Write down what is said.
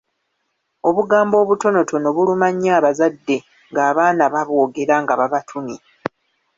Obugambo obutonotono buluma nnyo abazadde ng’abaana babwogera nga babatumye.